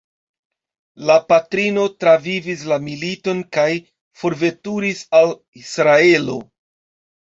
La patrino travivis la militon kaj forveturis al Israelo.